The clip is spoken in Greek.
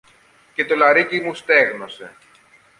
και το λαρύγγι μου στέγνωσε.